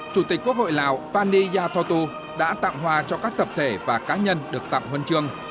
chủ tịch quốc hội lào pani yathotu đã tặng hòa cho các tập thể và cá nhân được tặng huân chương